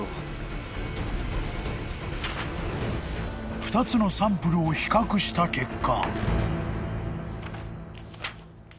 ［２つのサンプルを比較した結果］